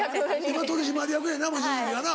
今取締役やな望月はな。